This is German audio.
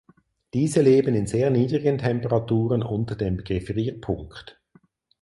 Diese leben in sehr niedrigen Temperaturen unter dem Gefrierpunkt.